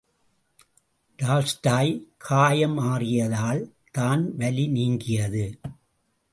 Tolstoy காயம் ஆறியதால் தான் வலி நீங்கியது.